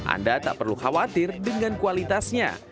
anda tak perlu khawatir dengan kualitasnya